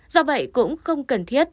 do vậy cũng không cần thiết